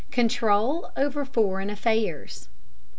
CONTROL OVER FOREIGN AFFAIRS.